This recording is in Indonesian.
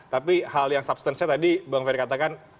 tapi hal yang substance nya tadi bang ferry katakan